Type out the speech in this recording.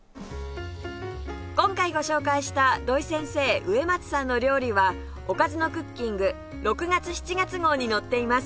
今回ご紹介した土井先生植松さんの料理は『おかずのクッキング』６月７月号に載っています